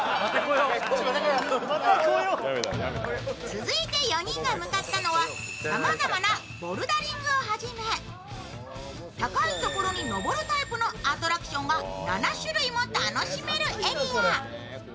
続いて４人が向かったのはさまざまなボルダリングをはじめ高いところに登るタイプのアトラクションが７種類も楽しめるエリア。